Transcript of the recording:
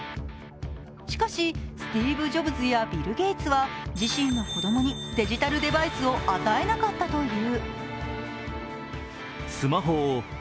しかし、スティーブ・ジョブズやビル・ゲイツは自身の子供にデジタルデバイスを与えなかったという。